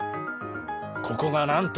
ここがなんと。